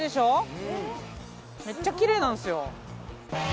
めっちゃ奇麗なんすよ。